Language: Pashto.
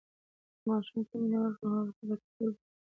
که ماشوم ته مینه ورکړو، نو هغه به د کلتور برخه وي.